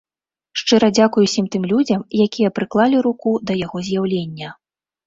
Шчыры дзякуй усім тым людзям, якія прыклалі руку да яго з'яўлення.